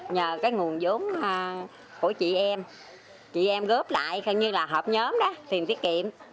nhờ nguồn giống của chị em chị em góp lại hợp nhóm tiền tiết kiệm